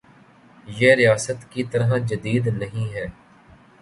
یہ ریاست کی طرح جدید نہیں ہے۔